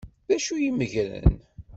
D acu i meggren?